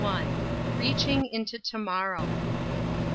BEACHING INTO TO MORROW.